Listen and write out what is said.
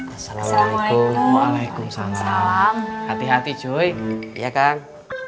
assalamualaikum waalaikumsalam hati hati joy iya kang